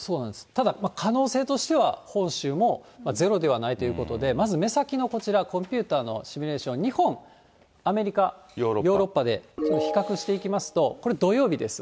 ただ、可能性としては本州もゼロではないということで、まず目先のこちら、コンピューターのシミュレーション、日本、アメリカ、ヨーロッパでちょっと比較していきますと、これ土曜日です。